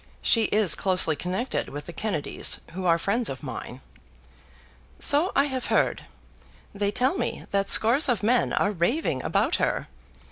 She is closely connected with the Kennedys, who are friends of mine." "So I have heard. They tell me that scores of men are raving about her.